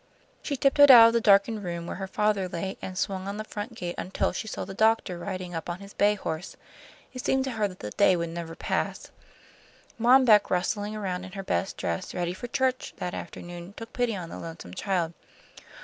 She tiptoed out of the darkened room where her father lay, and swung on the front gate until she saw the doctor riding up on his bay horse. It seemed to her that the day never would pass. Mom Beck, rustling around in her best dress ready for church, that afternoon, took pity on the lonesome child.